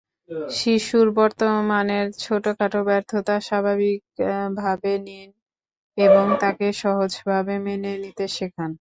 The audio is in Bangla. শিশুর বর্তমানের ছোটখাটো ব্যর্থতা স্বাভাবিকভাবে নিন এবং তাকে সহজভাবে মেনে নিতে শেখান।